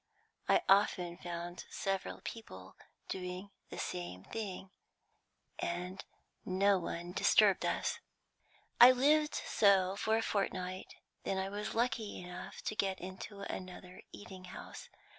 I often found several people doing the same thing, and no one disturbed us. "I lived so for a fortnight, then I was lucky enough to get into another eating house.